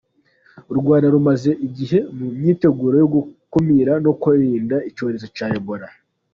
U Rwanda rumaze igihe mu myiteguro yo gukumira no kwirinda icyorezo cya Ebola.